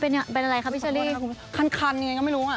เป็นอะไรคะพี่เชอรี่คันยังไงก็ไม่รู้อ่ะ